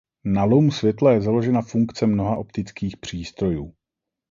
Na lomu světla je založena funkce mnoha optických přístrojů.